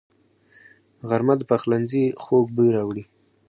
غرمه د پخلنځي خوږ بوی راوړي